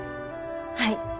はい。